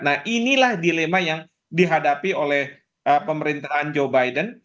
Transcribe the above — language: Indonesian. nah inilah dilema yang dihadapi oleh pemerintahan joe biden